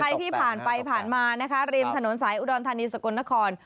ใครที่ผ่านไปผ่านมานะคะริมถนนสายอุดรธานีสกลนคร